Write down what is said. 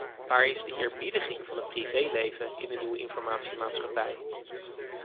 Waar is de eerbiediging van het privé-leven in de nieuwe informatiemaatschappij?